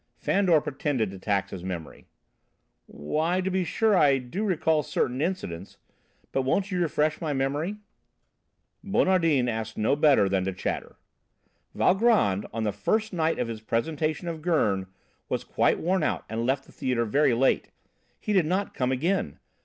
Fandor pretended to tax his memory. "Why, to be sure I do recall certain incidents, but won't you refresh my memory?" Bonardin asked no better than to chatter. "Valgrand, on the first night of his presentation of Gurn,[B] was quite worn out and left the theatre very late. He did not come again!